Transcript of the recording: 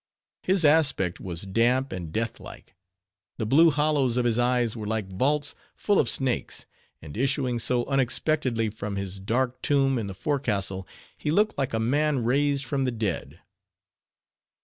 His aspect was damp and death like; the blue hollows of his eyes were like vaults full of snakes; and issuing so unexpectedly from his dark tomb in the forecastle, he looked like a man raised from the dead.